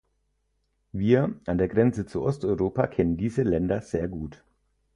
Wir an der Grenze zu Osteuropa kennen diese Länder sehr gut.